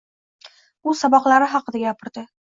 U saboqlari haqida gapiridi